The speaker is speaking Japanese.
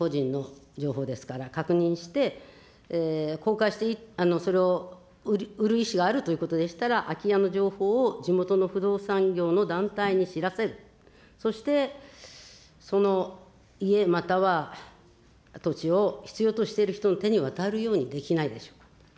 そこで、区市町村が所有者の意思を確認して、個人の情報ですから、確認して、公開して、それを売る意思があるということでしたら空き家の情報を地元の不動産業の団体に知らせる、そしてその家、または土地を必要としている人の手に渡るようにできないでしょうか。